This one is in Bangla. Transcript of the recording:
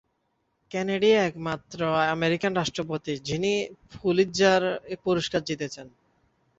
কেনেডি একমাত্র আমেরিকান রাষ্ট্রপতি যিনি পুলিৎজার পুরস্কার জিতেছেন।